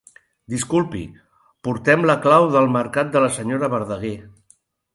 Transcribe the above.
Disculpi, portem la clau del mercat de la senyora Verdaguer.